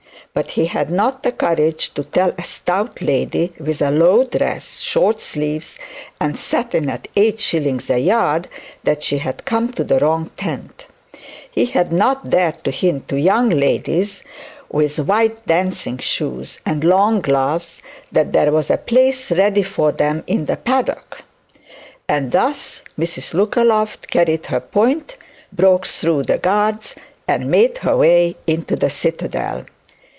But he had not the courage to tell a stout lady with a low dress, short sleeves, and satin at eight shillings a yard, that she had come to the wrong tent; he had not dared to hint to young ladies with white dancing shoes and long gloves, that there was a place ready for them in the paddock. And thus Mrs Lookaloft carried her point, broke through the guards, and made her way into the citadel.